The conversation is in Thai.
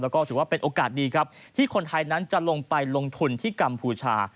แล้วก็ถือว่าเป็นโอกาสดีครับที่คนไทยนั้นจะลงไปลงทุนที่กัมพูชา